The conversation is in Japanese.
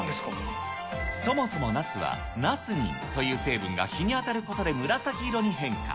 そもそもナスは、ナスニンという成分が日に当たることで紫色に変化。